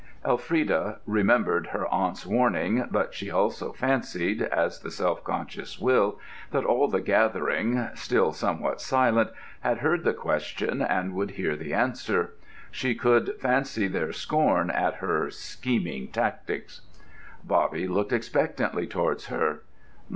Elfrida remembered her aunt's warning, but she also fancied (as the self conscious will) that all the gathering, still somewhat silent, had heard the question, and would hear the answer. She could fancy their scorn at her "scheming tactics." Bobby looked expectantly towards her.